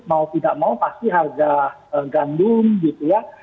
mau tidak mau pasti harga gandum gitu ya